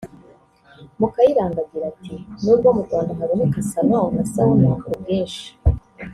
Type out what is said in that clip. Mukayiranga agira ati “N’ubwo mu Rwanda haboneka salon na sauna ku bwinshi